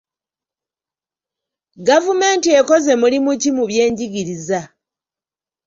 Gavumenti ekoze mulimu ki mu byenjigiriza?